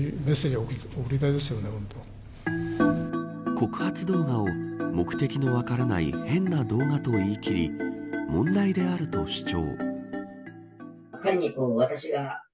告発動画を目的の分からない変な動画と言い切り問題であると主張。